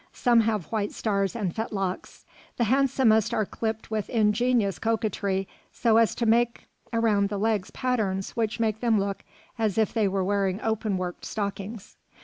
Some have white stars and fetlocks. The handsomest are clipped with ingenious coquetry so as to make around the legs patterns which make them look as if they were wearing open worked stockings.